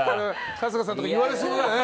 春日さんとか言われそうだね。